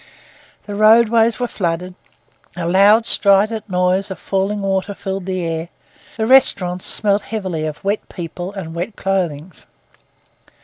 The roadways were flooded; a loud strident noise of falling water filled the air; the restaurants smelt heavily of wet people and wet clothing.